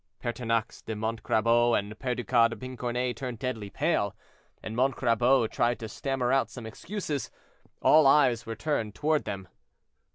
Pertinax de Montcrabeau and Perducas de Pincornay turned deadly pale, and Montcrabeau tried to stammer out some excuses. All eyes were turned toward them.